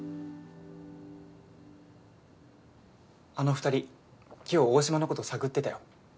あの２人今日大島のこと探ってたよ。